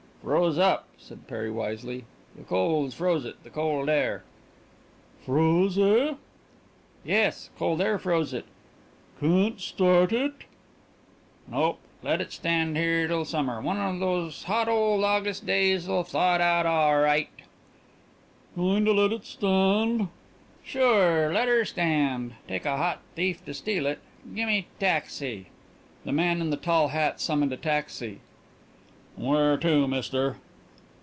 "Froze up," said Perry wisely. "The cold froze it. The cold air." "Froze, eh?" "Yes. Cold air froze it." "Can't start it?" "Nope. Let it stand here till summer. One those hot ole August days'll thaw it out awright." "Goin' let it stand?" "Sure. Let 'er stand. Take a hot thief to steal it. Gemme taxi." The man in the tall hat summoned a taxi. "Where to, mister?"